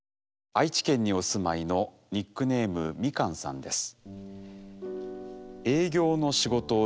愛知県にお住まいのニックネームみかんさんです。